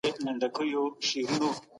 حق به خپل خاوند ته رسیږي.